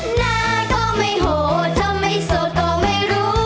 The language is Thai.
หน้าก็ไม่โหดถ้าไม่โสดก็ไม่รู้